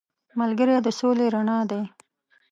ملګری د سولې رڼا دی